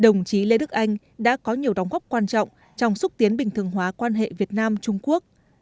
đồng chí lê đức anh đã có nhiều đóng góp quan trọng trong xúc tiến bình thường hóa quan hệ việt nam trung quốc